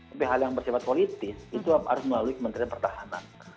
tapi hal yang bersifat politis itu harus melalui kementerian pertahanan